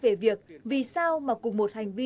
về việc vì sao mà cùng một hành vi